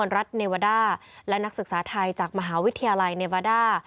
รัฐเนวาด้าและนักศึกษาไทยจากมหาวิทยาลัยเนวาด้า